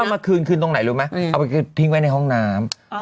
มาคืนคืนตรงไหนรู้ไหมเอาไปทิ้งไว้ในห้องน้ำ